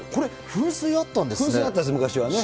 これ、噴水あったんです、昔はね。